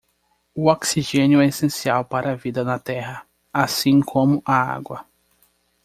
O oxigênio é essencial para a vida na terra, assim como a água.